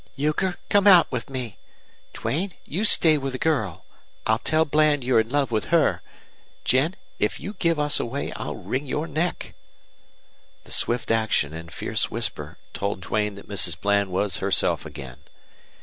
"Euchre, come out with me! Duane, you stay with the girl! I'll tell Bland you're in love with her. Jen, if you give us away I'll wring your neck." The swift action and fierce whisper told Duane that Mrs. Bland was herself again.